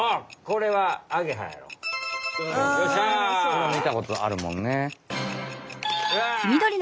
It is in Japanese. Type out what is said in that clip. これはみたことあるもんね。